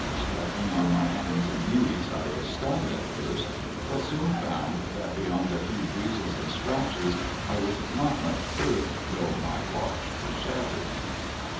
Striking on my hands and knees, I was stunned at first, but soon found that beyond a few bruises and scratches I was not much hurt, though my watch was shattered.